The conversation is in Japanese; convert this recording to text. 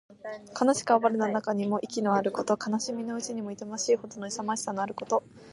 悲しく哀れな中にも意気のあること。悲しみのうちにも痛ましいほどの勇ましさのあること。